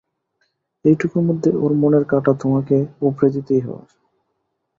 এইটুকুর মধ্যে ওঁর মনের কাঁটা তোমাকে উপড়ে দিতেই হবে।